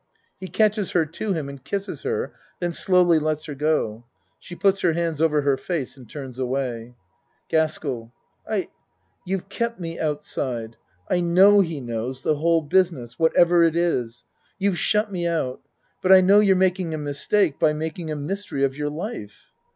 (He catches her to him and kisses her, then slowly lets her go. She puts her hands over her face and turns away.) GASKELL I you've kept me outside. I know he knows the whole business what ever it is. You've shut me out. But I know you're making a mistake by making a mystery of your life.